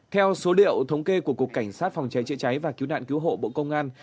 theo số liệu thống kê của cục cảnh sát phòng cháy chữa cháy và cứu nạn cứu hộ bộ công an